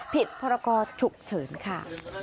ผิดพรกรฉุกเฉินค่ะ